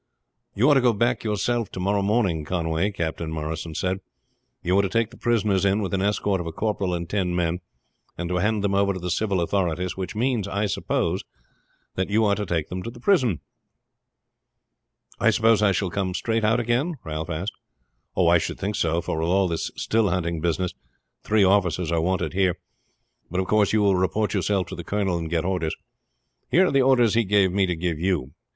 "You are to go back yourself to morrow morning, Conway," Captain Morrison said. "You are to take the prisoners in with an escort of a corporal and ten men, and to hand them over to the civil authorities; which means, I suppose, that you are to take them to the prison." "I suppose I shall come straight out again?" Ralph asked. "I should think so; for with all this still hunting business three officers are wanted here. But of course you will report yourself to the colonel and get orders. Here are the orders he gave me to give you.